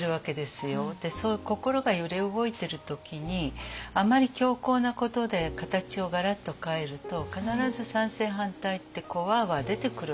そういう心が揺れ動いてる時にあまり強硬なことで形をガラッと変えると必ず賛成反対ってわあわあ出てくるわけですよね。